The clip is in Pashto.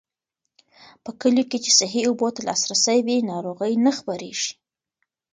په کليو کې چې صحي اوبو ته لاسرسی وي، ناروغۍ نه خپرېږي.